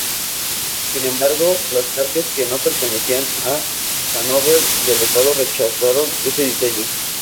Sin embargo, las partes que no pertenecían a Hannover del Estado rechazaron este diseño.